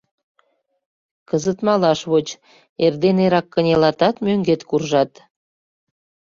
Кызыт малаш воч, эрден эреак кынелатат, мӧҥгет куржат.